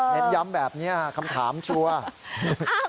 เน้นย้ำแบบนี้คำถามชัวร์